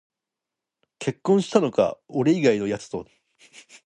結婚したのか、俺以外のやつと